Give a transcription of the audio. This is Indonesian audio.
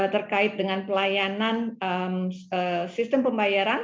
terkait dengan pelayanan sistem pembayaran